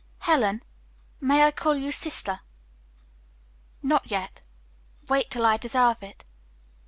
Helen, may I call you sister?" "Not yet. Wait till I deserve it."